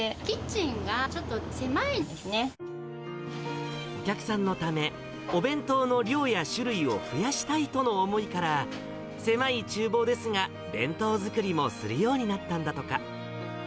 それで、お客さんのため、お弁当の量や種類を増やしたいとの思いから、狭いちゅう房ですが、弁当作りもするようになったんだとか。